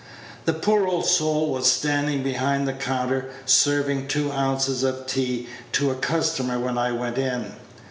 The poor old soul was standing behind the counter, serving two ounces of tea to a customer when I went in.